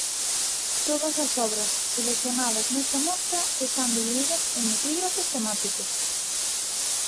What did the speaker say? Todas as obras seleccionadas nesta mostra están divididas en epígrafes temáticos.